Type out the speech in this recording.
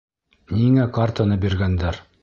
Ниңә картаны биргәндәр?